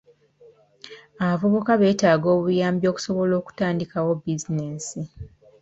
Abavubuka beetaaga obuyambi okusobola okutandikawo bizinensi.